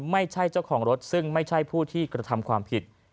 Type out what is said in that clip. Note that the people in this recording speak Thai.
ไม่ใช่เจ้าของรถซึ่งไม่ใช่ผู้ที่กระทำความผิด